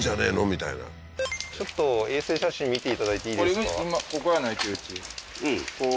みたいなちょっと衛星写真見ていただいていいですか？